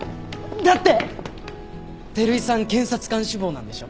だって照井さん検察官志望なんでしょ？